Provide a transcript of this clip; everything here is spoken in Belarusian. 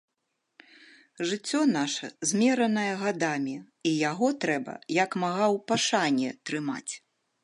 Жыццё наша змеранае гадамі і яго трэба як мага ў пашане трымаць.